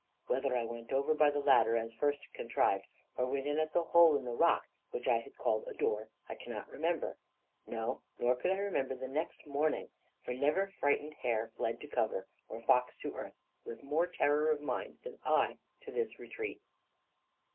Whether I went over by the ladder, as first contrived, or went in at the hole in the rock, which I had called a door, I cannot remember; no, nor could I remember the next morning, for never frightened hare fled to cover, or fox to earth, with more terror of mind than I to this retreat.